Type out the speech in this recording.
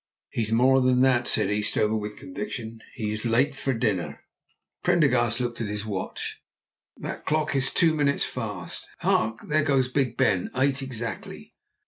"He is more than that," said Eastover with conviction; "he is late for dinner!" Prendergast looked at his watch. "That clock is two minutes fast. Hark, there goes Big Ben! Eight exactly."